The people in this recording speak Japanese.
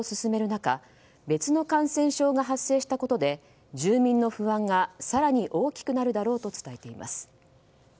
中別の感染症が発生したことで住民の不安が更に大きくなるだろうと伝えています。